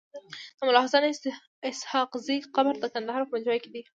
د ملاحسناسحاقزی قبر دکندهار په پنجوايي کیدی